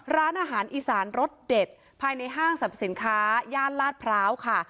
ร้านอาหารอีสานรสเด็ดภายในห้างสรรพสินค้าย่านลาดพร้าวค่ะ